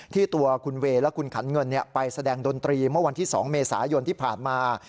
ตัวคุณเวย์และคุณขันเงินไปแสดงดนตรีเมื่อวันที่๒เมษายนที่ผ่านมา